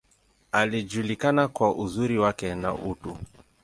Alijulikana kwa uzuri wake, na utu.